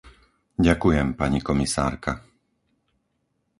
Ďakujem, pani komisárka.